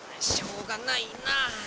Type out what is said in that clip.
しょうがないな。